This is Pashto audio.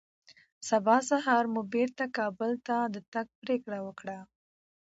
سبا سهار مو بېرته کابل ته د تګ پرېکړه وکړه